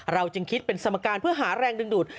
จึงคิดเป็นสมการเพื่อหาแรงดึงดูด